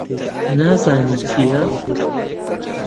نازانی چییە؟